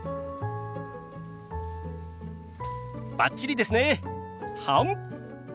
バッチリですね。はむっ。